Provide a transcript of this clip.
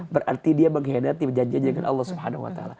berarti dia menghendati perjanjiannya dengan allah swt